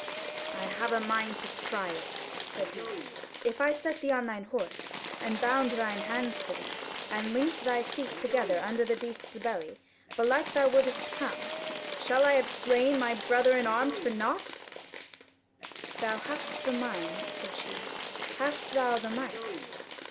"I have a mind to try it," said he; "If I set thee on thine horse and bound thine hands for thee, and linked thy feet together under the beast's belly; belike thou wouldest come. Shall I have slain my brother in arms for nought?" "Thou hast the mind," said she, "hast thou the might?"